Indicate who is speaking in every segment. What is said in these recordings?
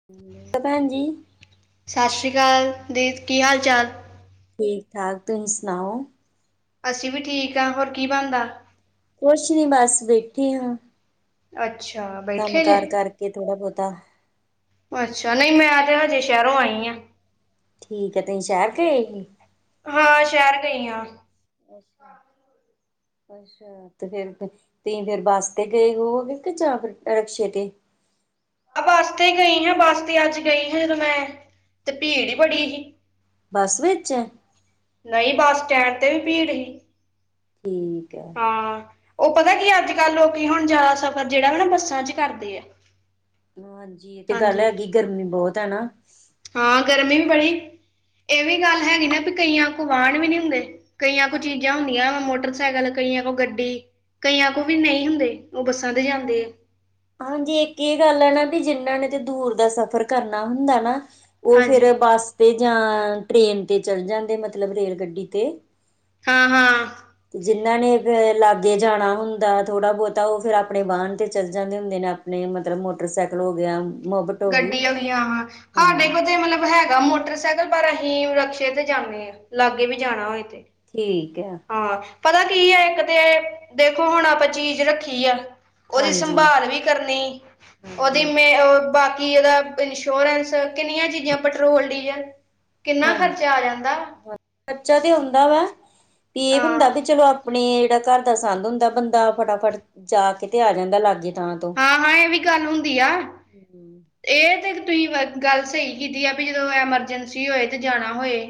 Speaker 1: [unintelligible] ਭੈਣ ਜੀ
Speaker 2: ਸਤਿ ਸ਼੍ਰੀ ਅਕਾਲ, ਦੀ ਕੀ ਹਾਲ-ਚਾਲ?
Speaker 1: ਠੀਕ-ਠਾਕ, ਤੁਸੀਂ ਸੁਣਾਓ?
Speaker 2: ਅਸੀਂ ਵੀ ਠੀਕ ਆ, ਹੋਰ ਕੀ ਬਣਦਾ?
Speaker 1: ਕੁਛ ਨੀ ਬਸ ਬੈਠੀ ਹੂ।
Speaker 2: ਅੱਛਾ। ਬੈਠੇ ਜੇ
Speaker 1: ਕੰਮ-ਕਾਰ ਕਰਕੇ ਥੋੜਾ ਬਹੁਤਾ।
Speaker 2: ਅੱਛਾ, ਨ‌ਈ ਮੈਂ ਤੇ ਹਜੇ ਸ਼ਹਿਰੋਂ ਆਈ ਆ।
Speaker 1: ਠੀਕ ਐ, ਤੁਸੀ ਸ਼ਹਿਰ ਗ‌ਏ ਸੀ?
Speaker 2: ਹਾਂ ਸ਼ਹਿਰ ਗਈ ਆ।
Speaker 1: ਅੱਛਾ। ਅੱਛਾ ਤੇ ਫੇਰ ਤੁਸੀਂ ਫੇਰ ਬੱਸ ਤੇ ਗਏ ਓ ਫ ਜਾਂ ਫਿਰ ਰਿਕਸ਼ੇ ਤੇ?
Speaker 2: ਆ ਬੱਸ ਤੇ ਗਈ ਹਾਂ ਬੱਸ ਤੇ ਅੱਜ ਗਈ ਹਾਂ ਜਦੋਂ ਮੈਂ, ਤੇ ਭੀੜ ਹੀ ਬੜੀ ਸੀ।
Speaker 1: ਬੱਸ ਵਿੱਚ?
Speaker 2: ਨ‌ਈ ਬੱਸ ਸਟੈਂਡ ਤੇ ਵੀ ਭੀੜ ਹੀ।
Speaker 1: ਠੀਕ ਐ।
Speaker 2: ਹਾਂ, ਓ ਪਤਾ ਕੀ ਅੱਜ-ਕੱਲ ਲੋਕੀ ਹੁਣ ਜਾਦਾ ਸਫ਼ਰ ਜੇੜਾ ਵਾ ਨਾ ਬੱਸਾਂ ਚ ਕਰਦੇ ਆ।
Speaker 1: ਹਾਂਜੀ ਏਹ ਤੇ ਗੱਲ
Speaker 2: ਹਾਂਜੀ
Speaker 1: ਹੈਗੀ ਗਰਮੀ ਬਹੁਤ ਐ ਨਾ?
Speaker 2: ਹਾਂ ਗਰਮੀ ਵੀ ਬੜੀ, ਏਹ ਵੀ ਗੱਲ ਹੈਗੀ ਨਾ ਵੀ ਕਈਆਂ ਕੋ ਵਾਹਨ ਵੀ ਨੀ ਹੁੰਦੇ। ਕਈਆ ਕੋ ਚੀਜ਼ਾਂ ਹੁੰਦੀਆਂ ਮੋਟਰਸਾਈਕਲ, ਕਈਆ ਕੋ ਗੱਡੀ ਕਈਆ ਕੋ ਵੀ ਨ‌ਈ ਹੁੰਦੇ, ਓ ਬੱਸਾਂ ਤੇ ਜਾਂਦੇ ਆ।
Speaker 1: ਹਾਂਜੀ ਇੱਕ ਏਹ ਗੱਲ ਆ ਨਾ ਵੀ ਜਿੰਨਾਂ ਨੇ ਤੇ ਦੂਰ ਦਾ ਸਫ਼ਰ ਕਰਨਾ ਹੁੰਦਾ ਨਾ। ਓ
Speaker 2: ਹਾਂਜੀ
Speaker 1: ਫੇਰ ਬੱਸ ਤੇ ਜਾਂ, ਟ੍ਰੇਨ ਤੇ ਚਲ ਜਾਂਦੇ ਮਤਲਬ ਰੇਲ ਗੱਡੀ ਤੇ।
Speaker 2: ਹਾਂ-ਹਾਂ।
Speaker 1: ਜਿਨਾਂ ਨੇ ਲਾਗੇ ਫੇਰ ਜਾਣਾ ਹੁੰਦਾ ਥੋੜ੍ਹਾ-ਬਹੁਤਾ ਓ ਫੇਰ ਆਪਣੇ ਵਾਹਨ ਤੇ ਚੱਲ ਜਾਂਦੇ ਹੁੰਦੇ ਨੇ। ਨਈ ਮਤਲਬ ਮੋਟਰਸਾਈਕਲ ਹੋ ਗਿਆ। ਮੋਬਟ ਹੋ ਗਈ
Speaker 2: ਗੱਡੀਆਂ ਹੋਗੀਆ ਹਾਂ, ਹਾਡੇ
Speaker 1: ਹਾਂ
Speaker 2: ਕੋਲ ਤੇ ਮਤਲਬ ਹੈਗਾ ਮੋਟਰਸੈ ਕਲ ਪਰ ਅਹੀ ਰਕਸ਼ੇ ਤੇ ਜਾਨੇ ਆ, ਲਾਗੇ ਵੀ ਜਾਣਾ ਹੋਏ ਤੇ।
Speaker 1: ਠੀਕ ਹੈ
Speaker 2: ਹਾਂ ਪਤਾ ਕੀ ਐ ਇੱਕ ਤੇ ਦੇਖੋ ਹੁਣ ਆਪਾਂ ਚੀਜ਼ ਰੱਖ ਰੱਖੀ ਆ, ਓਦੀ
Speaker 1: ਹਾਂਜੀ
Speaker 2: ਸੰਭਾਲ ਵੀ ਕਰਨੀ, ਓਦੀ
Speaker 1: ਹਾਂਜੀ
Speaker 2: ਮੈਂ ਓ ਬਾ ਕੀ ਓਦਾ ਇੰਸ਼ੋਰੈਂਸ ਕਿੰਨੀਆਂ ਚੀਜ਼ਾਂ ਪੈਟਰੋਲ, ਡੀਜ਼ਲ ਕਿੰਨਾ
Speaker 1: ਹਾਂ
Speaker 2: ਖਰਚਾ ਆ ਜਾਂਦਾ।
Speaker 1: ਖਰਚਾ ਤੇ ਹੁੰਦਾ ਵਾ, ਵੀ ਏਹ
Speaker 2: ਹਾਂ,
Speaker 1: ਹੁੰਦਾ ਵੀ ਚਲੋ ਆਪਣੇ ਜੇੜਾ ਘਰ ਦਾ ਸੰਦ ਹੁੰਦਾ ਬੰਦਾ ਫਟਾਫਟ ਜਾ ਕੇ ਤੇ ਆ ਜਾਂਦਾ ਲਾਗੇ ਥਾਂ ਤੋਂ।
Speaker 2: ਹਾਂ-ਹਾਂ ਏਹ ਵੀ ਗੱਲ ਹੁੰਦੀ ਆ।
Speaker 1: ਹੂੰ।
Speaker 2: ਏਹ ਤੇ ਤੁਸੀਂ ਗੱਲ ਸ‌ਈ ਕੀਤੀ ਆ ਵੀ ਜਦੋਂ ਐਮਰਜੈਂਸੀ ਹੋਏ ਤੇ ਜਾਣਾ ਹੋਏ।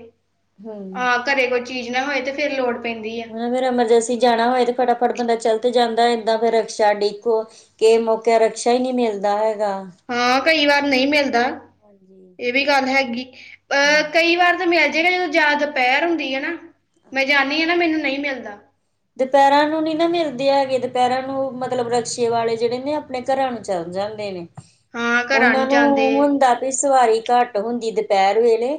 Speaker 1: ਹਮ
Speaker 2: ਹਾਂ, ਘਰੇ ਕੋਈ ਚੀਜ਼ ਨਾ ਹੋਏ ਤੇ ਫੇਰ ਲੋੜ ਪੈਂਦੀ ਆ।
Speaker 1: ਫਿਰ ਐਮਰਜੈਂਸੀ ਜਾਣਾ ਹੋਏ ਤੇ ਫਟਾ ਫਟ ਬੰਦਾ ਚੱਲ ਤੇ ਜਾਂਦਾ ਇੱਦਾਂ ਫੇਰ ਰਕਸ਼ਾ ਡਿੱਕੋ ਕਿ ਮੌਕੇ ਰਕਸ਼ਾ ਹੀ ਨਹੀਂ ਮਿਲਦਾ ਹੈਗਾ।
Speaker 2: ਹਾਂ, ਕਈ ਵਾਰ ਨਹੀਂ ਮਿਲਦਾ।
Speaker 1: ਹਾਂਜੀ।
Speaker 2: ਇਹ ਵੀ ਗੱਲ ਹੈਗੀ। ਅਹ ਕਈ ਵਾਰ ਤਾਂ ਮਿਲ ਜਾਏਗਾ ਜਦੋਂ ਜਿਆ ਦੁਪਹਿਰ ਹੁੰਦੀ ਹੈ ਨਾ ਮੈਂ ਜਾਂਣੀ ਹਾਂ ਨਾ ਮੈਨੂੰ ਨਹੀਂ ਮਿਲਦਾ।
Speaker 1: ਦੁਪਹਿਰਾਂ ਨੂੰ ਨੀ ਨਾ ਮਿਲਦੇ ਹੈਗੇ, ਦੁਪਹਿਰਾਂ ਨੂੰ ਮਤਲਬ ਰਕਸ਼ੇ ਵਾਲੇ ਜਿਹੜੇ ਨੇ ਆਪਣੇ ਘਰਾਂ ਨੂੰ ਚੱਲ ਜਾਂਦੇ ਨੇ।
Speaker 2: ਹਾਂ ਘਰਾਂ
Speaker 1: ਉਹਨਾਂ ਨੂੰ
Speaker 2: ਜਾਂਦੇ
Speaker 1: ਹੁੰਦਾ ਵੀ ਸਵਾਰੀ ਘੱਟ ਹੁੰਦੀ ਦੁਪਹਿਰ ਵੇਲੇ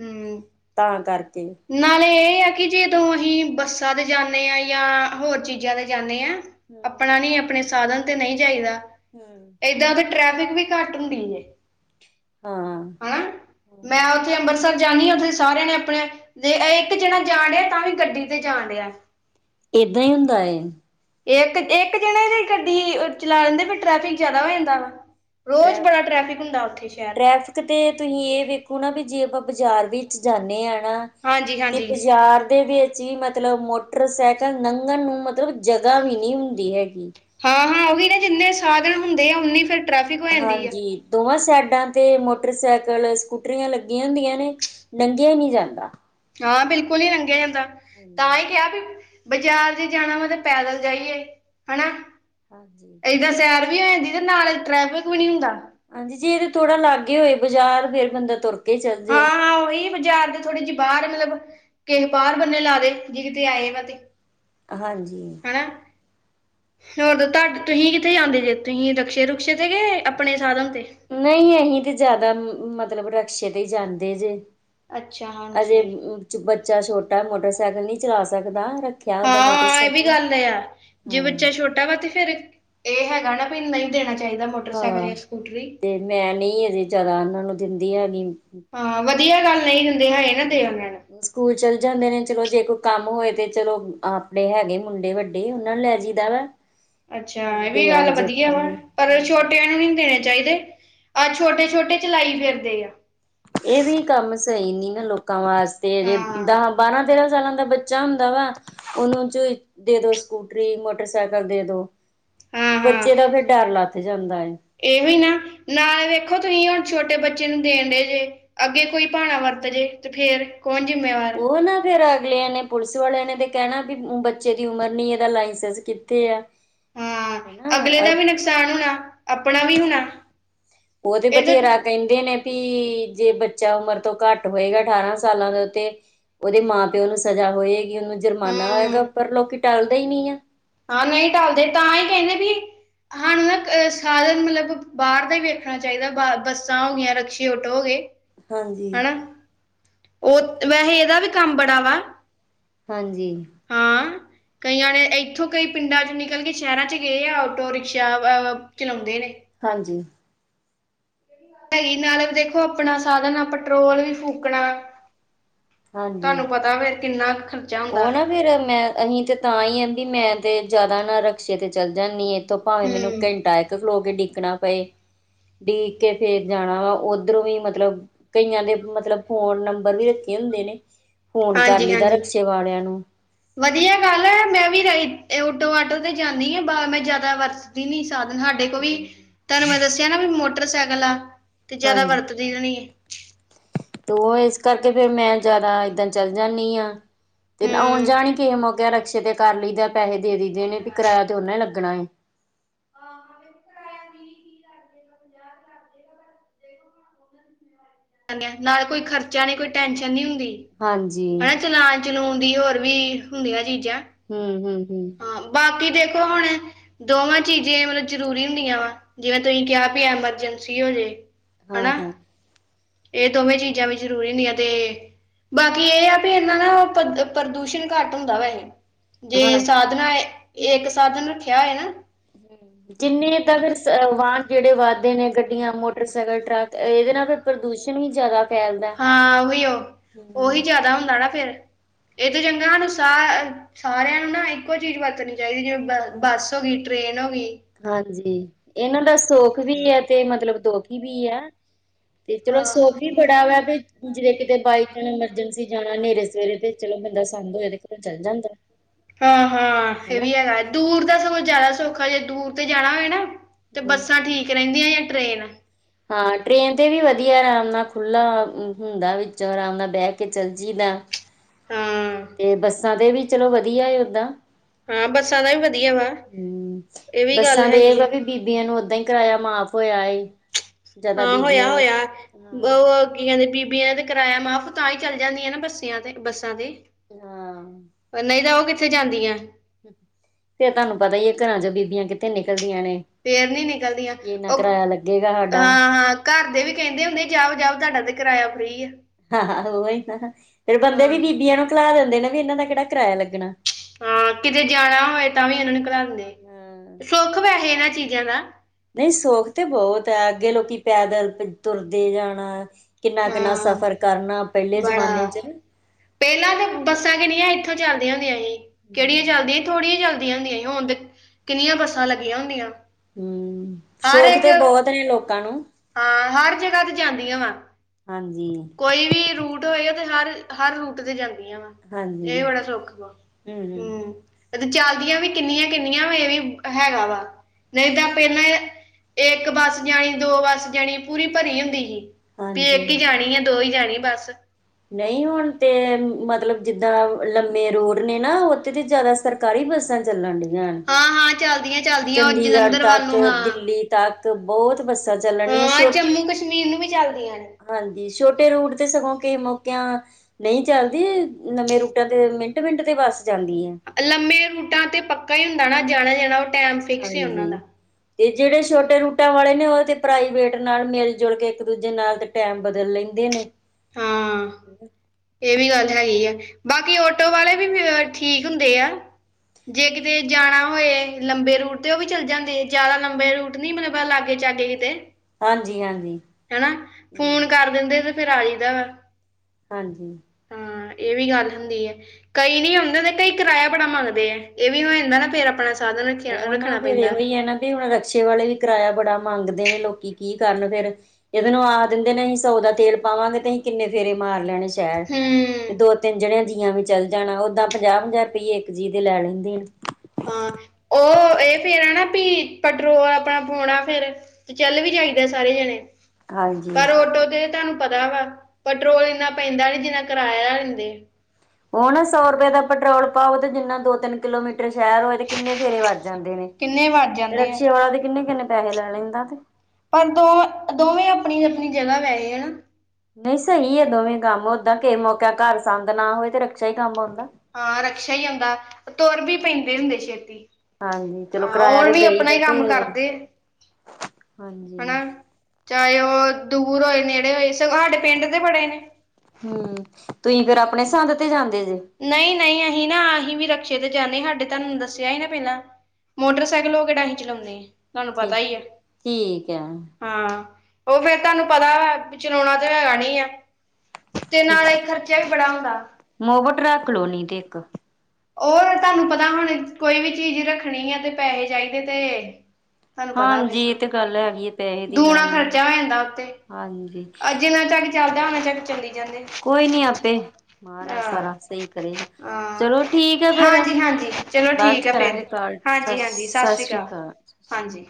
Speaker 2: ਹੂੰ।
Speaker 1: ਤਾਂ ਕਰਕੇ।
Speaker 2: ਨਾਲੇ ਇਹ ਆ ਕਿ ਜੇਦੋ ਹੀ ਬੱਸਾਂ ਦੇ ਜਾਣੇ ਹਾਂ, ਯਾ ਹੋਰ ਚੀਜ਼ਾਂ ਦੇ ਜਾਣੇ ਹਾਂ। ਆਪਣਾ ਨੀ ਆਪਣੇ ਸਾਧਨ ਤੇ ਨਹੀਂ ਜਾਈਦਾ।
Speaker 1: ਹਮ।
Speaker 2: ਇਦਾਂ ਤੇ ਟ੍ਰੈਫਿਕ ਵੀ ਘੱਟ ਹੁੰਦੀ ਜੇ,
Speaker 1: ਹਾਂ।
Speaker 2: ਹਨਾ, ਮੈਂ ਉੱਥੇ ਅੰਮ੍ਰਿਤਸਰ ਜਾਂਦੀ ਆ ਉੱਥੇ ਸਾਰਿਆਂ ਨੇ ਆਪਣੇ ਤੇ ਇੱਕ ਜਨਾ ਜਾਣ ਡਿਆ ਤਾਂ ਵੀ ਗੱਡੀ ਤੇ ਜਾਣ ਡਿਆ।
Speaker 1: ਏਦੀ ਹੀ ਹੁੰਦਾ ਏ।
Speaker 2: ਇੱਕ-ਇੱਕ ਜਨੇ ਦੀ ਗੱਡੀ ਚਲਾ ਲੈਂਦੇ ਫਿਰ ਟ੍ਰੈਫਿਕ ਜਿਆਦਾ ਹੋ ਜਾਂਦਾ ਵਾ। ਰੋਜ਼ ਬੜਾ ਟਰੈਫਿਕ ਹੁੰਦਾ ਉੱਥੇ ਸ਼ਹਿਰ।
Speaker 1: ਇਕ ਤੇ ਤੁਸੀਂ ਇਹ ਵੇਖੋ ਨਾ ਵੀ ਜੇ ਆਪਾਂ ਬਾਜ਼ਾਰ ਵਿੱਚ ਜਾਂਣੇ ਹਨਾ
Speaker 2: ਹਾਂਜੀ
Speaker 1: ਤੇ
Speaker 2: ਹਾਂਜੀ।
Speaker 1: ਬਾਜ਼ਾਰ ਦੇ ਵਿੱਚ ਵੀ ਮਤਲਬ ਮੋਟਰਸਾਈਕਲ ਲੰਘਣ ਨੂੰ ਮਤਲਬ ਮਤਲਬ ਜਗਾ ਵੀ ਨਹੀਂ ਹੁੰਦੀ ਹੈਗੀ।
Speaker 2: ਹਾਂ-ਹਾਂ ਉਹ ਵੀ ਨਾ ਜਿੰਨੇ ਸਾਧਨ ਹੁੰਦੇ ਆ ਉਨੀ ਫੇਰ
Speaker 1: ਹਾਂਜੀ। ਦੋਵਾਂ ਸਾਈਡਾਂ ਤੇ ਮੋਟਰਸਾਈਕਲ, ਸਕੂਟਰੀਆਂ ਲੱਗੀਆਂ ਹੁੰਦੀਆਂ ਨੇ ਲੱਗਿਆ ਹੀ ਨਹੀਂ ਜਾਂਦਾ।
Speaker 2: ਹਾਂ, ਬਿਲਕੁਲ ਨੀ ਲੱਗਿਆ ਜਾਂਦਾ, ਤਾਂ
Speaker 1: ਹਾਂਜੀ
Speaker 2: ਹੀ ਕਿਹਾ ਵੀ ਬਾਜ਼ਾਰ ਜੇ ਜਾਣਾ ਵਾ ਤਾਂ ਪੈਦਲ ਜਾਈਏ ਹਨਾ।
Speaker 1: ਹਾਂਜੀ
Speaker 2: ਏਦਾਂ ਸੈਰ ਵੀ ਹੋ ਜਾਂਦੀ, ਤੇ ਨਾਲ ਟ੍ਰੈਫਿਕ ਵੀ ਨਹੀਂ ਹੁੰਦਾ।
Speaker 1: ਹਾਂਜੀ, ਜੇ ਇਹ ਤੇ ਥੋੜਾ ਲਾਗੇ ਹੋਏ ਬਾਜ਼ਾਰ, ਫੇਰ ਬੰਦਾ ਤੁਰ ਕੇ ਚੱਲ ਜੇ।
Speaker 2: ਹਾਂ ਉਹੀ ਬਾਜ਼ਾਰ ਦੇ ਥੋੜੀ ਜਿਹੀ ਬਾਹਰ ਮਤਲਬ, ਕਿਸੇ ਬਾਹਰ ਬੰਨੇ ਲਾ ਦੇ, ਜੇ ਕਿਤੇ ਆਏ ਵਾ ਤੇ।
Speaker 1: ਹਾਂਜੀ।
Speaker 2: ਹਨਾ। ਹੋਰ ਤੁਹਾਡੇ ਤੁਸੀਂ ਕਿੱਥੇ ਜਾਂਦੇ ਜੇ ਤੁਸੀਂ ਰਕਸ਼ੇ -ਰੁਕਸ਼ੇ ਤੇ ਕੇ ਆਪਣੇ ਸਾਧਨ ਤੇ?
Speaker 1: ਨਹੀਂ, ਅਸੀਂ ਤੇ ਜ਼ਿਆਦਾ ਮਤਲਬ ਰਕਸ਼ੇ ਤੇ ਹੀ ਜਾਂਦੇ ਜੇ।
Speaker 2: ਅੱਛਾ
Speaker 1: ਅਜੇ
Speaker 2: ਹਾਂਜੀ
Speaker 1: ਬੱਚਾ ਛੋਟਾ ਮੋਟਰਸਾਈਕਲ ਨਹੀਂ ਚਲਾ ਸਕਦਾ ਰੱਖ। ਪਿਆ ਦਾ
Speaker 2: ਹਾਂ
Speaker 1: ਮੋਟਰਸਾਈਕਲ ਹਮ।
Speaker 2: ਮੋਟਾ ਵਾ ਤਾ ਫੇਰ ਇਹ ਹੈਗਾ ਨਾ ਵੀ ਨਹੀਂ ਦੇਣਾ ਚਾਹੀਦਾ ਮੋ
Speaker 1: ਹਾਂ ਤੇ ਮੈਂ ਨਹੀਂ ਹਜੇ ਜਿਆਦਾ ਇਹਨਾਂ ਨੂੰ ਦਿੰਦੀ ਹੈਗੀ।
Speaker 2: ਹਾਂ ਵਧੀਆ ਗੱਲ ਨਹੀਂ ਦਿੰਦੇ ਹੈਗੇ ਨਾ ਦੇਵੋ ਨਾ।
Speaker 1: ਸਕੂਲ ਚਲੇ ਜਾਂਦੇ ਨੇ, ਚਲੋ ਜੇ ਕੋਈ ਕੰਮ ਹੋਏ ਤੇ ਚਲੋ ਆਪਣੇ ਹੈਗੇ ਮੁੰਡੇ ਵੱਡੇ ਉਹਨਾਂ ਨੂੰ ਲੈ ਜੀਦਾ ਵਾ। [unintelligible]
Speaker 2: ਅੱਛਾ,
Speaker 1: ਮੇਰੇ
Speaker 2: ਇਹ ਵੀ
Speaker 1: ਦਿਓਰਾਂ
Speaker 2: ਗੱਲ ਵਧੀਆ
Speaker 1: ਜੇਠਾਂ
Speaker 2: ਵਾ।
Speaker 1: ਦੇ
Speaker 2: ਪਰ
Speaker 1: ਹਾਂਜੀ
Speaker 2: ਛੋਟਿਆਂ ਨੂੰ ਨਹੀਂ ਦੇਣੇ ਚਾਹੀਦੇ, ਆਹ ਛੋਟੇ -ਛੋਟੇ ਚਲਾਈ ਫਿਰਦੇ ਆ।
Speaker 1: ਇਹ ਵੀ ਕੰਮ ਸਹੀ ਨੀ ਨਾ ਲੋਕਾਂ ਵਾਸਤੇ ਹਜੇ
Speaker 2: ਹਾਂ
Speaker 1: ਦਸ ਬਾਰਾਂ ਤੇਰਾਂ ਸਾਲਾਂ ਦਾ ਬ ਉੱਚਾ ਹੁੰਦਾ ਵਾ, ਉਹਨੂੰ ਚ ਦੇਦੋ ਸਕੂਟਰੀ, ਮੋਟਰਸਾਈਕਲ ਦੇ ਦੋ।
Speaker 2: ਹਾਂ ਹਾਂ
Speaker 1: ਬੱਚੇ ਦਾ ਫੇਰ ਡਰ ਲੱਥ ਜਾਂਦਾ ਏ।
Speaker 2: ਇਹੋ ਹੀ ਨਾ, ਨਾਲ ਵੇਖੋ ਤੁਸੀਂ ਹੁਣ ਛੋਟੇ ਬੱਚੇ ਨੂੰ ਦੇਣ ਡਹੇ ਜੇ। ਅੱਗੇ ਕੋਈ ਭਾਣਾ ਵਰਤ ਜੇ, ਤੇ ਫੇਰ ਕੌਣ ਜਿੰਮੇਵਾਰ?
Speaker 1: ਉਹ ਨਾ, ਫੇਰ ਅਗਲਿਆਂ ਨੇ ਪੁਲਿਸ ਵਾਲਿਆਂ ਨੇ ਤੇ ਕਹਿਣਾ ਵੀ ਬੱਚੇ ਦੀ ਉਮਰ ਨੀ ਇਹਦਾ ਲਾਇਸੈਂਸ ਕਿੱਥੇ ਆ?
Speaker 2: ਹਅ, ਅਗਲੇ ਦਾ
Speaker 1: ਹਨਾ
Speaker 2: ਵੀ ਨਕਸਾਨ ਹੋਣਾ। ਆਪਣਾ ਵੀ ਹੋਣਾ
Speaker 1: ਉਹ ਤੇ
Speaker 2: ਇਹ ਤਾਂ
Speaker 1: ਬਥੇਰਾ। ਕਹਿੰਦੇ ਨੇ ਵੀ ਜੇ ਬੱਚਾ ਉਮਰ ਤੋਂ ਘੱਟ ਹੋਏਗਾ, ਠਾਰਾਂ ਸਾਲਾਂ ਦੇ ਉੱਤੇ। ਉਹਦੇ ਮਾਂ- ਪਿਓ ਨੂੰ ਸਜ਼ਾ ਹੋਏਗੀ, ਉਹਨੂੰ ਜੁਰਮਾਨਾ ਹੋਏਗਾ,
Speaker 2: ਹੂੰ
Speaker 1: ਪਰ ਲੋਕੀ ਟਲਦਾ ਹੀ ਨੀਂ ਆ।
Speaker 2: ਹਾਂ, ਨਹੀਂ ਟਾਲਦੇ ਤਾਂ ਈ ਕਹਿੰਨੇ ਵੀ। ਹਾਂ ਹਾਂ ਕ ਸਾਰਿਆ ਨੂੰ ਮਤਲਬ ਬਾਹਰ ਦਾ ਈ ਵੇਖਣਾ ਚਾਹੀਦਾ, ਬ ਬੱਸਾਂ ਹੋ ਗਿਆਂ, ਰਕਸ਼ੇ ਔਟੋ ਹੋ ਗਏ।
Speaker 1: ਹਾਂਜੀ
Speaker 2: ਹੈਨਾ ਉਹ ਵੈਸੇ ਏਹਦਾ ਵੀ ਕੰਮ ਬੜਾ ਵਾ।
Speaker 1: ਹਾਂਜੀ ਆਹ।
Speaker 2: ਹਾਂ ਕਈਆਂ ਨੇ ਇੱਥੋਂ ਕਈ ਪਿੰਡਾਂ ਚੋ ਨਿਕਲ ਕੇ ਸ਼ਹਿਰਾਂ ਚ ਗਏ ਆ, ਆਟੋ ਰਿਕਸ਼ਾ ਆ-ਬ-ਅ ਚਲਾਉਂਦੇ ਨੇ।
Speaker 1: ਹਾਂਜੀ।
Speaker 2: ਹੈਗੀ ਨਾਲੇ ਦੇਖੋ ਆਪਣਾ ਸਾਧਨ ਆ, ਪੈਟਰੋਲ ਵੀ ਫੂਕਣਾ।
Speaker 1: ਹਾਂਜੀ
Speaker 2: ਤਾਨੂੰ ਪਤਾ ਵੇ, ਕਿੰਨਾ ਖਰ
Speaker 1: ਉਹ ਨਾ, ਫੇਰ ਮੈਂ ਅਸੀਂ ਤੇ ਤਾਂ ਹੀ ਆ ਵੀ, ਮੈਂ ਤੇ ਜ਼ਿਆਦਾ ਨਾ ਰਕਸ਼ੇ ਤੇ ਚੱਲ ਜਾਂਨੀ ਐ। ਤੇ ਭਾਵੇਂ ਮੈਨੂੰ
Speaker 2: ਹੂੰ
Speaker 1: ਘੰਟਾ ਐ ਖਲੋ ਕੇ ਡੀਕਣਾ ਪਏ, ਡੀਕ ਕੇ ਫੇਰ ਜਾਣਾ, ਉੱਧਰੋਂ ਵੀ ਮਤਲਬ। ਕਈਆਂ ਦੇ ਮਤਲਬ ਫੋਨ ਨੰਬਰ ਵੀ ਰੱਖੇ ਹੁੰਦੇ ਨੇ। ਫੋਨ ਕਰ
Speaker 2: ਹਾਂਜੀ
Speaker 1: ਲਈਦਾ
Speaker 2: -ਹਾਂਜੀ।
Speaker 1: ਰਕਸ਼ੇ ਵਾਲਿਆਂ ਨੂੰ
Speaker 2: ਵਧੀਆ ਗੱਲ ਏ, ਮੈਂ ਵੀ ਰਾ ਔਟੋ- ਆਟੋ ਤੇ ਜਾਂਨੀ ਆ ਬਾਹ ਮੈਂ ਜਿਆਦਾ ਵਰ ਦੀ ਨੀ ਸਾਧਨ ਸਾਡੇ ਕੋਲ ਵੀ, ਤਾਨੂੰ ਮੈਂ ਦੱਸਿਆ ਨਾ, ਵੀ ਮੋਟਰਸਾਈਕਲ ਆ ਤੇ ਜਿਆਦਾ
Speaker 1: ਹਾਂਜੀ
Speaker 2: ਵਰਤ। ਰੀਦਣੀ।
Speaker 1: ਦੋ ਹੇ ਇਸ ਕਰਕੇ ਫੇਰ ਮੈਂ ਜ਼ਿਆਦਾ ਏਦਨ ਚੱਲ ਜਾਂਨੀ ਆਂ। ਤੇ ਆਉਣ-
Speaker 2: ਹੂੰ
Speaker 1: ਜਾਣ ਕਿਸੇ ਮੋਕੇ ਰਕਸ਼ੇ ਤੇ ਕਰ ਲਈਦਾ ਪੈਸੇ ਦੇ ਦੀ ਨੇ ਵੀ, ਕਿਰਾਇਆ ਤੇ ਉਨਾ ਹੀ ਲੱਗਣਾ ਏ।
Speaker 2: ਨਾਲੇ ਕੋਈ ਖਰਚਾ ਨੀ ਕੋਈ ਟੈਸ਼ਨ ਨੀਂ ਹੁੰਦੀ
Speaker 1: ਹਾਂਜੀ
Speaker 2: ਹਨਾ ਚਲਾਉਣ। ਚਲੂਣ ਦੀ ਹੋਰ ਵੀ ਹੁੰਦੀਆਂ ਚੀਜ਼ਾਂ।
Speaker 1: ਹਮ -ਹਮ -ਹਮ।
Speaker 2: ਹਅ ਬਾਕੀ ਦੇਖੋ ਹੁਣ। ਦੋਵਾਂ ਚੀਜ਼ਾਂ ਹੀ ਮਤਲਬ ਜ਼ਰੂਰੀ ਹੁੰਦੀਆਂ ਵਾ, ਜਿਵੇਂ ਤੁਸੀਂ ਕਿਹਾ ਵੀ ਐਮਰਜੈਂਸੀ ਹੋ ਜੇ।
Speaker 1: ਹਾਂ-
Speaker 2: ਹਨਾ
Speaker 1: ਹਾਂ।
Speaker 2: ਇਹ ਦੋਵੇਂ ਚੀਜ਼ਾਂ ਵੀ ਜ਼ਰੂਰੀ ਨੀਂ ਆ ਤੇ। ਬਾਕੀ ਇਹ ਆ ਵੀ, ਇਹਨਾਂ ਨਾਲੋ ਪਰ -ਪਦ -ਪ੍ਰਦੂਸ਼ਣ ਘੱਟ ਹੁੰਦਾ, ਵੈਹੇ। ਜੇ
Speaker 1: ਹਾਂ।
Speaker 2: ਸਾਧਨਾ ਇੱਕ ਸਾਧਨ ਰੱਖਿਆ ਹੋਇਆ ਨਾ।
Speaker 1: ਜਿੰਨੇ ਤਾਂ ਫੇਰ ਸ- ਵਾਹਨ ਜਿਹੜੇ ਵੱਧਦੇ ਨੇ- ਗੱਡੀਆਂ, ਮੋਟਰਸਾਈਕਲ, ਟਰੱਕ। ਤ ਇਹਦੇ ਨਾਲ ਫੇਰ ਪ੍ਰਦੂਸ਼ਣ ਵੀ ਜਿਆਦਾ ਫੈਲਦਾ।
Speaker 2: ਹਾਂ ਉਹੀ ਉਹ ਉਹੀ ਜ਼ਿਆਦਾ ਹੁੰਦਾ ਨਾ ਫੇਰ। ਇਹ ਤੋ ਚੰਗਾ ਨਾ ਹੁਣ ਸਾ- ਸਾਰਿਆਂ ਨੂੰ ਨਾ ਇੱਕੋ ਚੀਜ਼ ਵਰਤਣੀ ਚਾਹੀਦੀ ਜਿਵੇਂ। ਬੱਸ ਹੋ ਗੀ, ਟਰੇੇਨ ਹੋ ਗੀ।
Speaker 1: ਹਾਂਜੀ, ਇਹਨਾਂ ਦਾ ਸੁਖ ਵੀ ਹੈ ਤੇ ਮਤਲਬ ਦੁਖ ਵੀ ਹੈ। ਤੇ ਇਧਰੋਂ
Speaker 2: ਹਾਂ
Speaker 1: ਸੁੱਖ ਵੀ ਬੜਾ ਵਾ ਵੀ ਜਿ ਕਿਤੇ ਬਾਈਕ ਜਾਣ ਐਮਰਜੈਂਸੀ ਜਾਣਾ ਹਨੇਰੇ ਸਵੇਰੇ ਤੇ ਚਲੋ ਬੰਦਾ ਸੰਦ ਹੋਏ ਤੇ ਫਿਰੋਂ ਚੱਲ ਜਾਂਦਾ। [unintelligible]
Speaker 2: ਹਾਂ-ਹਾਂ ਏ
Speaker 1: ਹਨਾ।
Speaker 2: ਵੀ ਹੈਗਾ ਦੂਰ ਦਾ ਸਗੋਂ ਜਾਦਾ ਸੌਖਾ ਜੇ ਦੂਰ ਤੇ ਜਾਣਾ ਹੋਵੇ ਨਾ। ਤੇ ਬੱਸਾਂ ਠੀਕ ਰੈਂਦੀਆਂ ਜਾਂ ਟਰੇਨ
Speaker 1: ਹਾਂ ਟ੍ਰੇਨ ਤੇ ਵੀ ਵਧੀਆ ਆਰਾਮ ਨਾਲ ਖੁੱਲਾ ਹੁੰਦਾ ਵਿੱਚੋਂ ਆਰਾਮ ਨਾਲ ਬੈ ਕੇ ਚਲ ਜੀ ਦਾ।
Speaker 2: ਹਾਂ
Speaker 1: ਤੇ ਬੱਸਾਂ ਤੇ ਵੀ ਚਲੋ ਵਧੀਆ ਓਦਾਂ
Speaker 2: ਹਾਂ ਬੱਸਾਂ ਦਾ ਵੀ ਵਧੀਆ ਵਾ
Speaker 1: ਹੂੰ
Speaker 2: ਇਹ ਵੀ ਗੱਲ
Speaker 1: ਬੱਸਾਂ ਦੇ
Speaker 2: ਹੈਗੀ ਆ
Speaker 1: ਬੀ ਬੀਬੀਆਂ ਨੂੰ ੳਦਾਂ ਹੀ ਕਿਰਾਇਆ ਮਾਫ ਹੋਇਆ ਏ। ਜਿਆਦਾ
Speaker 2: ਹਾਂ
Speaker 1: ਬੀਬੀਆਂ ਨੂੰ
Speaker 2: ਹੋਇਆ-ਹੋਇਆ
Speaker 1: ਹਾਂ
Speaker 2: ਓ ਗੀਆਂ ਦੇ ਬੀਬੀਆਂ ਤੇ ਕਿਰਾਇਆ ਮਾਫ ਤਾਂ ਹੀ ਚੱਲ ਜਾਂਦੀਆਂ ਨਾ ਬੱਸਿਆਂ ਤੇ ਬੱਸਾਂ ਤੇ
Speaker 1: ਹਾਂ।
Speaker 2: ਪਰ ਨਈ ਤਾਂ ਓ ਕਿੱਥੇ ਜਾਂਦੀਆਂ।
Speaker 1: ਫਿਰ ਤੁਹਾਨੂੰ ਪਤਾ ਈ ਏ ਘਰਾਂ ਚੋਂ ਬੀਬੀਆਂ ਕਿੱਥੇ ਨਿਕਲਦੀਆਂ ਨੇ।
Speaker 2: ਫਿਰ ਨੀ ਨਿਕਲਦੀਆਂ
Speaker 1: ਇੰਨਾ
Speaker 2: ਓ
Speaker 1: ਕਿਰਾਇਆ ਲੱਗੇਗਾ ਸਾਡਾ
Speaker 2: ਹਾਂ-ਹਾਂ। ਘਰ ਦੇ ਵੀ ਕੈਂਦੇ ਹੁੰਦੇ ਜਾਓ-ਜਾਓ ਤੁਹਾਡਾ ਤੇ ਕਿਰਾਇਆ ਫਰੀ ਆ।
Speaker 1: ਹਾ ਓ ਈ ਨਾ ਫੇਰ ਬੰਦੇ
Speaker 2: ਹਾਂ
Speaker 1: ਵੀ ਬੀਬੀਆਂ ਨੂੰ ਘਲਾ ਦਿੰਦੇ ਨੇ ਵੀ ਇਨਾਂ ਦਾ ਕੇੜਾ ਕਿਰਾਇਆ ਲੱਗਣਾ।
Speaker 2: ਹਾਂ ਕਿਤੇ ਜਾਣਾ ਹੋਵੇ ਤਾਂ ਵੀ ਇਨਾਂ ਨੂੰ ਘਲਾਂ ਦਿੰਦੇ
Speaker 1: ਹਾਂ
Speaker 2: ਸੁੱਖ ਵੈਸੇ ਇਨਾਂ ਚੀਜ਼ਾਂ ਦਾ।
Speaker 1: ਨਈ ਸੁੱਖ ਤੇ ਬੋਤ ਐ ਅੱਗੇ ਲੋਕੀ ਪੈਦਲ ਤੁਰਦੇ ਜਾਣਾ। ਕਿੰਨਾ-ਕਿੰਨਾ
Speaker 2: ਹਾਂ
Speaker 1: ਸਫ਼ਰ ਕਰਨਾ ਪੈਲੇ
Speaker 2: ਬੜਾ
Speaker 1: ਜ਼ਮਾਨੇ 'ਚ
Speaker 2: ਪਹਿਲਾਂ ਤਾਂ ਬੱਸਾਂ ਕਿੰਨੀਆਂ ਇੱਥੋਂ ਜਾਂਦੀਆਂ ਹੁੰਦੀਆਂ ਸੀ ਕੇੜੀਆਂ ਚੱਲਦੀਆਂ ਸੀ ਥੋੜੀਆਂ ਚਲਦੀਆਂ ਹੁੰਦੀਆਂ ਸੀ ਹੁਣ ਤੇ ਕਿੰਨੀਆਂ ਬੱਸਾਂ ਲੱਗੀਆਂ ਹੁੰਦੀਆਂ
Speaker 1: ਹਮ
Speaker 2: ਹਰ
Speaker 1: ਸੁੱਖ
Speaker 2: ਇੱਕ
Speaker 1: ਤੇ ਬਹੁਤ ਨੇ ਲੋਕਾਂ ਨੂੰ
Speaker 2: ਹਾਂ ਹਰ ਜਗ੍ਹਾ ਤੇ ਜਾਂਦੀਆਂ ਵਾ।
Speaker 1: ਹਾਂਜੀ
Speaker 2: ਕੋਈ ਵੀ ਰੂਟ ਹੋਏ ਤੇ ਹਰ-ਹਰ ਰੂਟ ਤੇ ਜਾਂਦੀਆਂ ਵਾ। ਏ
Speaker 1: ਹਾਂਜੀ
Speaker 2: ਬੜਾ ਸੁਖ ਵਾ
Speaker 1: ਹਮ ਹਮ
Speaker 2: ਹੂੰ ਤੇ ਚਲਦੀਆਂ ਵੀ ਕਿੰਨੀਆਂ- ਕਿੰਨੀਆਂ ਏ ਵੀ ਹੈਗਾ ਵਾ ਨਈ ਤਾਂ ਪੈਨੇ। ਇੱਕ ਬੱਸ ਜਾਣੀ ਦੋ ਬੱਸ ਜਾਣੀ ਪੂਰੀ ਭਰੀ ਹੁੰਦੀ ਹੀ। ਵੀ
Speaker 1: ਹਾਂਜੀ
Speaker 2: ਇੱਕ ਹੀ ਜਾਣੀ ਆ ਦੋ ਹੀ ਜਾਣੀ ਬਸ
Speaker 1: ਨਈ ਹੁਣ ਤੇ ਮਤਲਬ ਜਿੱਦਾਂ ਲੰਮੇ ਰੋਡ ਨੇ ਨਾ ਉੱਥੇ ਤੇ ਜਾਦਾ ਸਰਕਾਰੀ ਬੱਸਾਂ ਚੱਲਣ ਡੀਆਂ ਨੇ
Speaker 2: ਹਾਂ ਹਾਂ ਚੱਲਦੀਆਂ ਚੱਲਦੀਆਂ ਉਹ
Speaker 1: ਚੰਡੀਗੜ੍ਹ
Speaker 2: ਜਲੰਧਰ ਵੱਲ
Speaker 1: ਤੱਕ
Speaker 2: ਨੂੰ ਹਾਂ
Speaker 1: ਦਿੱਲੀ ਤੱਕ ਬੋਤ ਬਸ
Speaker 2: ਹਾਂ ਜੰਮੂ ਕਸ਼ਮੀਰ ਨੂੰ ਵੀ ਚਲਦੀਆਂ ਨੇ।
Speaker 1: ਹਾਂਜੀ ਛੋਟੇ ਰੂਡ ਤੇ ਸਗੋਂ ਕਈ ਮੌਕਿਆਂ ਨਈ ਚੱਲਦੀ ਨਵੇਂ ਰੂਟਾਂ ਤੇ ਮਿੰਟ-ਮਿੰਟ ਤੇ ਬੱਸ ਜਾਂਦੀ ਏ।
Speaker 2: ਲੰਮੇ ਰੂਟਾਂ ਤੇ ਪੱਕਾ ਈ ਹੁੰਦਾ ਨਾ ਜਾਣਾ-ਜਾਣਾ ਓ ਟੈਮ
Speaker 1: ਹਾਂਜੀ ਤੇ ਜੇੜੇ ਛੋਟੇ ਰੂਟਾਂ ਵਾਲੇ ਨੇ ਓ ਤੇ ਪ੍ਰਾਈਵੇਟ ਨਾਲ ਮਿਲ ਜੁਲ ਕੇ ਇੱਕ ਦੂਜੇ ਨਾਲ ਟੈਮ ਬਦਲ ਲੈਂਦੇ ਨੇ।
Speaker 2: ਹੂੰ, ਏ ਵੀ ਗੱਲ ਹੈਗੀ ਆ ਬਾਕੀ ਆਟੋ ਵਾਲੇ ਵੀ ਠੀਕ ਹੁੰਦੇ ਆ। ਜੇ ਕਿਤੇ ਜਾਣਾ ਹੋਏ ਲੰਬੇ ਰੂਟ ਤੇ ਓ ਵੀ ਚੱਲ ਜਾਂਦੇ। ਜਾਦਾ ਲੰਬੇ ਰੂਟ ਨੀ ਮਤਲਬ ਲਾਗੇ ਸ ਚਾਗੇ ਕਿਤੇ
Speaker 1: ਹਾਂਜੀ-ਹਾਂਜੀ,
Speaker 2: ਹਨਾ ਫੋਨ ਕਰ ਦਿੰਦੇ ਤੇ ਫੇਰ ਆ ਜਾਂਈ ਦਾ ਵਾ।
Speaker 1: ਹਾਂਜੀ
Speaker 2: ਹੂੰ ਏ ਵੀ ਗੱਲ ਹੁੰਦੀ ਏ। ਕਈ ਨੀ ਆਉਂਦੇ ਤੇ ਕਈ ਕਿਰਾਇਆ ਬੜਾ ਮੰਗਦੇ ਆ ਏ ਵੀ ਹੋ ਜਾਂਦਾ ਨਾ ਫੇਰ ਆਪਣਾ ਤਾਂ ਦ ਰੱਖਿਆ ਰੱਖਣਾ ਪੈਂਦਾ।
Speaker 1: ਨੀ ਹੁਣ ਰਕਸ਼ੇ ਵਾਲੇ ਵੀ ਕਿਰਾਯਾ ਬੜਾ ਮੰਗਦੇ ਨੇ ਲੋਕੀ ਕੀ ਕਰਨ ਫੇਰ। ਇਹਦੇ ਨੁ ਆਖ ਦਿੰਦੇ ਨੇ ਸੀਂ ਸੌ ਦਾ ਤੇਲ ਪਾਵਾਂਗੇ ਤੇ ਅਹੀ ਕਿੰਨੇ ਫੇਰੇ ਮਾਰ ਲੈਣੇ ਸੀ। ਚੈਰ
Speaker 2: ਹੂੰ
Speaker 1: ਦੋ-ਤਿੰਨ ਜਣਿਆਂ ਦੀਆਂ ਵੀ ਚੱਲ ਜਾਣ, ਓਦਾਂ ਪੰਜਾ-ਪੰਜਾ ਰੁਪਈਏ ਇੱਕ ਜੀਅ ਦੇ ਲੈ ਲੈਂਦੇ। [inaudible]
Speaker 2: ਓ ਏ ਫੇਰ ਐ ਨਾ ਭੀ ਪਟਰੋਲ ਆਪਣਾ ਪਾਉਣਾ ਫੇਰ ਤੇ ਚੱਲ ਵੀ ਜਾਈਦੈ ਸਾਰੇ ਜਣੇ।
Speaker 1: ਹਾਂਜੀ
Speaker 2: ਪਰ ਔਟੋ ਤੇ ਤਾਂ ਪਤਾ ਵਾ, ਪੈਟਰੋਲ ਇੰਨਾ ਪੈਂਦਾ ਨੀ, ਜਿੰਨਾ ਕਰਾਇਆ ਲੈਂਦੇ।
Speaker 1: ਓ ਨਾ ਸੌ ਰੁਪਏ ਦਾ ਪੈਟਰੋਲ ਪਾਓ ਤੇ ਜਿੰਨਾ ਦੋ-ਤਿੰਨ ਕਿਲੋਮੀਟਰ ਸ਼ਹਿਰ ਹੋਏ ਤੇ ਕਿੰਨੇ ਫੇਰੇ ਵੱਜ ਜਾਂਦੇ ਨੇ।
Speaker 2: ਕਿੰਨੇ ਵੱਜ ਜਾਂਦੇ ਆ
Speaker 1: ਰਕਸ਼ੇ ਵਾਲਾ ਤੇ ਕਿੰਨੇ ਕਿੰਨੇ ਪੈਹੇ ਲੈ ਲੈਂਦਾ।
Speaker 2: ਪਰ ਦੋ ਦੋਵੇਂ ਆਪਣੀ- ਆਪਣੀ ਜਗ੍ਹਾ [unintelligible] ਨਾ।
Speaker 1: ਨਈ ਸਈ ਏ ਦੋਵੇਂ ਕੰਮ। ਓਦਾਂ ਕਈ ਮੌਕੇ ਘਰ ਸੰਦ ਨਾ ਹੋਏ ਤੇ ਰਕਸ਼ਾ ਹੀ ਕੰਮ ਆਉਂਦਾ।
Speaker 2: ਹਾਂ ਰਕਸ਼ਾ ਹੀ ਆਉਂਦਾ, ਤੁਰ ਵੀ ਪੈਂਦੇ ਹੁੰਦੇ ਛੇਤੀ।
Speaker 1: ਹਾਂਜੀ ਚਲੋ
Speaker 2: ਆਂ,
Speaker 1: ਕਿਰਾਇਆ
Speaker 2: ਓਰ
Speaker 1: ਤੇ
Speaker 2: ਵੀ
Speaker 1: ਦੇਈ
Speaker 2: ਅਪਨਾ
Speaker 1: ਦਾ
Speaker 2: ਈ ਕੰਮ
Speaker 1: ਤੇ
Speaker 2: ਕਰਦੇ। ਹਣਾ,
Speaker 1: ਹਾਂਜੀ।
Speaker 2: ਚਾਹੇ ਓ ਦੂਰ ਹੋਏ, ਨੇੜੇ ਹੋਏ। ਸਗੋਂ ਹਾਡੇ ਪਿੰਡ ਦੇ ਬੜੇ ਨੇ।
Speaker 1: ਹੂੰ। ਤੁਹੀ ਫੇਰ ਆਪਣੇ ਸੰਦ ਤੇ ਜਾਂਦੇ ਜੇ?
Speaker 2: ਨਈ-ਨਈ ਅਹੀਂ ਨਾ ਅਹੀਂ ਵੀ ਰਕਸ਼ੇ ਤੇ ਜਾਂਨੇ, ਸਾਡੇ ਤਾਨੂੰ ਦੱਸਿਆ ਹੀ ਨਾ ਪੈਲਾਂ ਮੋਟਰਸਾਈਕਲ ਹੋ ਕਿੱਡਾ ਅਹੀ ਚਲਾਉਨੇ। ਤਾਨੂੰ ਪਤਾ
Speaker 1: ਠੀਕ।
Speaker 2: ਈ ਏ,
Speaker 1: ਠੀਕ ਹੈ
Speaker 2: ਹਾਂ। ਉਹ ਫੇਰ ਤਾਨੂੰ ਪਤਾ ਵਾ ਚਲਾਉਣਾ ਤੇ ਹੈ ਨੀ ਆ, ਤੇ ਨਾਲੇ ਖਰਚਾ ਵੀ ਬੜਾ ਹੁੰਦਾ।
Speaker 1: ਰੋਬਟ ਰੱਖ ਲੋ ਨਈ ਤੇ ਇੱਕ।
Speaker 2: ਓ ਤੇ ਤਾਨੂੰ ਪਤਾ ਹੁਣ ਕੋਈ ਵੀ ਚੀਜ਼ ਰੱਖਣੀ ਏ ਤੇ ਪੈਹੇ ਚਾਹੀਦੇ ਤੇ ਤੁਹਾਨੂੰ ਪਤਾ ਫਿਰ
Speaker 1: ਹਾਂਜੀ, ਏ ਤੇ ਗੱਲ ਹੈਗੀ ਏ, ਪੈਹੇ ਦੀ
Speaker 2: ਦੂਣਾ
Speaker 1: ਗੱਲ।
Speaker 2: ਖਰਚਾ ਹੋ ਜਾਂਦਾ ਉੱਤੇ
Speaker 1: ਹਾਂਜੀ,
Speaker 2: ਅ ਜਿੰਨਾ ਚੱਕ ਚੱਲਦਾ ਓਨਾ ਚੱਕ ਚੱਲੀ ਜਾਂਦੇ
Speaker 1: ਕੋਈ ਨੀ ਆਪੇ ਮਾਰਾਜ
Speaker 2: ਆਹ
Speaker 1: ਸਾਰਾ ਸਈ ਕਰੇਗਾ, ਚਲੋ ਠੀਕ ਹੈ ਫੇਰ।
Speaker 2: ਹਾਂਜੀ-ਹਾਂਜੀ, ਚਲੋ ਠੀਕ ਐ ਫੇਰ ਹਾਂਜੀ-ਹਾਂਜੀ, ਸਤਿ ਸ੍ਰੀ ਅਕਾਲ। ਹਾਂਜੀ।